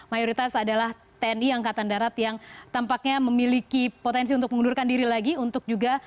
mayoritas adalah tni angkatan darat yang tampaknya memiliki potensi untuk mengundurkan diri lagi untuk juga